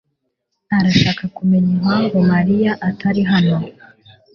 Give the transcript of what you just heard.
arashaka kumenya impamvu Mariya atari hano.